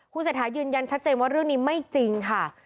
เศรษฐายืนยันชัดเจนว่าเรื่องนี้ไม่จริงค่ะ